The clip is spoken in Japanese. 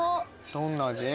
どんな味？